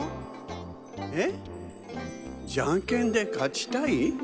えっじゃんけんでかちたい？